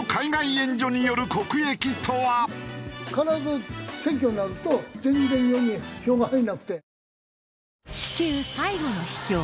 必ず選挙になると全然日本に票が入らなくて。